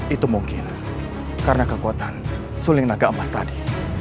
itu mungkin karena kekuatan suling naga emas tadi